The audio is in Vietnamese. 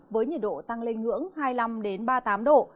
với nhiệt độ tăng lên ngưỡng hai mươi năm ba mươi tám độ